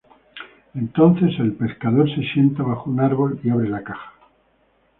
Entonces, el pescador se sienta bajo un árbol y abre la caja.